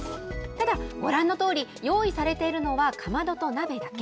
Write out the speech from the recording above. ただ、ご覧のとおり、用意されているのはかまどと鍋だけ。